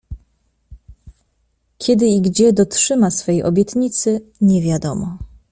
Kiedy i gdzie dotrzyma swej obietnicy… nie wiadomo.